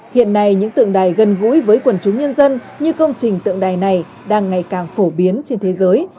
hiện nay những tượng đài gần gũi với quần chúng nhân dân như công trình tượng đài này đang ngày càng phổ biến trên thế giới